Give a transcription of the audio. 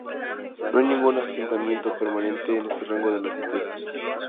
No hay ningún asentamiento permanente en este rango de latitud.